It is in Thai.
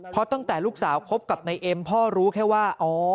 เพราะตั้งแต่ลูกสาวคบกับนายเอ็มพ่อรู้แค่ว่า